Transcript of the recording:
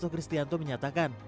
pak kristianto menyatakan